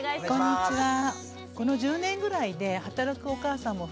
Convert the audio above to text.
こんにちは。